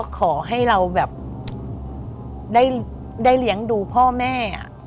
ขอให้เราแบบได้เลี้ยงดูพ่อแม่